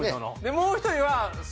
もう１人は。